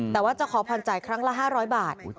แต่ว่าจะขอผ่อนจ่ายครั้งละ๕๐๐บาท